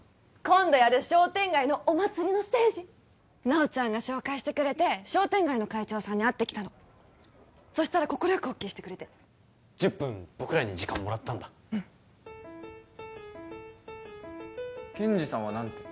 今度やる商店街のお祭りのステージ奈緒ちゃんが紹介してくれて商店街の会長さんに会ってきたのそしたら快くＯＫしてくれて１０分僕らに時間もらったんだケンジさんは何て？